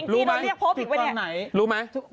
รู้ไหมรู้ไหม